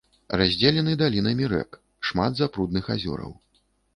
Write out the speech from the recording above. Раздзелены далінамі рэк, шмат запрудных азёраў.